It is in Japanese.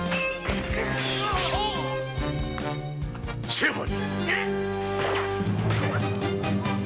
成敗！